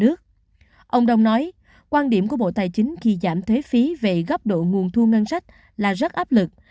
ông đông nói quan điểm của bộ tài chính khi giảm thuế phí về góc độ nguồn thu ngân sách là rất áp lực